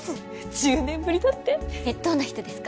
１０年ぶりだってえっどんな人ですか？